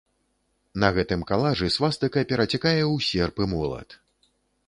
На гэтым калажы свастыка перацякае ў серп і молат.